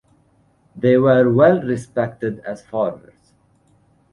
They were well-respected as farmers.